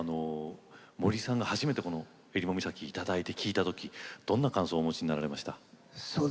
森さんが初めて「襟裳岬」をいただいて聴いたときどんな感想をお持ちになりました？